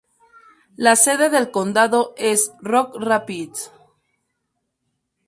La sede del condado es Rock Rapids.